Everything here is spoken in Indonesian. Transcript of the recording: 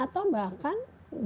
atau bahkan jika mungkin